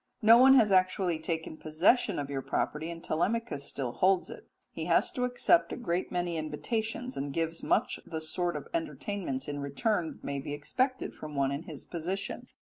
No one has actually taken possession of your property, and Telemachus still holds it. He has to accept a great many invitations, and gives much the sort of entertainments in return that may be expected from one in his position.